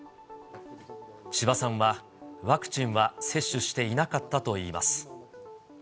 千葉さんはワクチンは接種していなかったといいます。